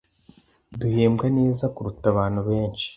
Duhembwa neza kuruta abantu benshi.